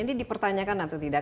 ini dipertanyakan atau tidak